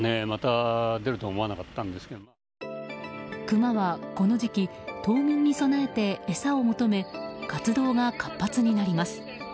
クマはこの時期冬眠に備えて餌を求め活動が活発になります。